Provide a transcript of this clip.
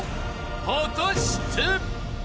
［果たして？］